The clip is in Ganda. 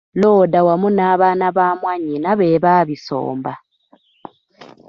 Looda wamu n'abaana ba mwanyina be baabisomba.